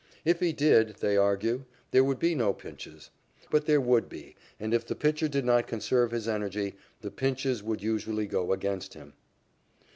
If he did, they argue, there would be no pinches. But there would be, and, if the pitcher did not conserve his energy, the pinches would usually go against him.